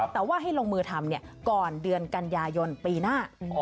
แต่ว่าให้ลงมือทำก่อนเดือนกันยายนปีหน้า